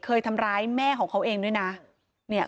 เคยทำร้ายแม่ของเขาเองด้วยนะ